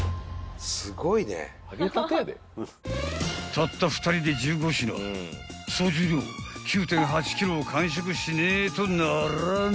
［たった２人で１５品総重量９．８ｋｇを完食しねえとならねえ］